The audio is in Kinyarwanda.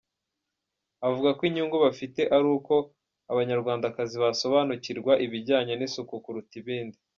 avugako inyungu bafite ari uko abanyarwandakazi basobanukirwa ibijyanye n'isuku kuruta ibindi.